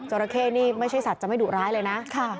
ราเข้นี่ไม่ใช่สัตว์จะไม่ดุร้ายเลยนะ